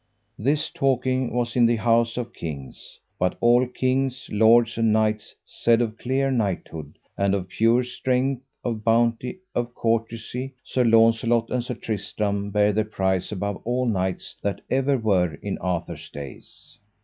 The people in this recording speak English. This talking was in the houses of kings. But all kings, lords, and knights, said, of clear knighthood, and of pure strength, of bounty, of courtesy, Sir Launcelot and Sir Tristram bare the prize above all knights that ever were in Arthur's days.